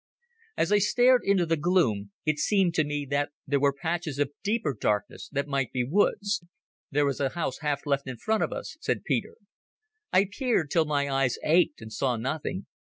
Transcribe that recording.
As I stared into the gloom it seemed to me that there were patches of deeper darkness that might be woods. "There is a house half left in front of us," said Peter. I peered till my eyes ached and saw nothing.